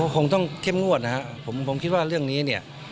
คงต้องเข้มงวดนะครับผมคิดว่าเรื่องนี้เนี่ย